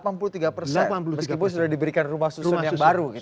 meskipun sudah diberikan rumah susun yang baru gitu ya